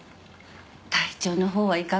体調の方はいかがですか？